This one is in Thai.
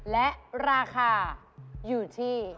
และราคาอยู่ที่